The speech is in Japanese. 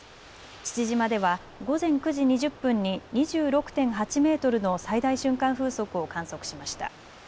父島では午前９時２０分に２６．８メートルの最大瞬間風速を観測しました。